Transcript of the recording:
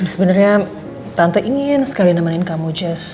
sebenernya tante ingin sekali nemenin kamu jess